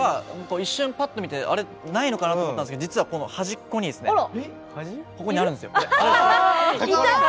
一瞬ないのかな？と思ったんですけど実は端っこにあるんですよ。